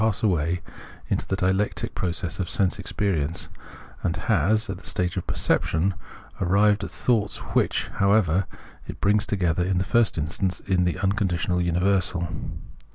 pass away in the dialectic process of sense experience, and has, at the stage of perception, arrived at thoughts which, however, it brings together in the first instance in the unconditioned universal.